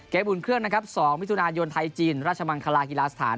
เกมอุ่นเครื่อง๒มิถุนายนไทยจีนราชมังคลาฮิลาสถาน